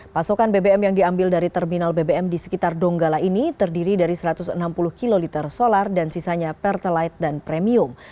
pasokan bbm yang diambil dari terminal bbm di sekitar donggala ini terdiri dari satu ratus enam puluh kiloliter solar dan sisanya pertelit dan premium